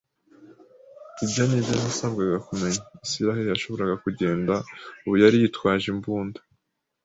Ibi nibyo nasabwaga kumenya. Isiraheli yashoboraga kugenda, ubu yari yitwaje imbunda,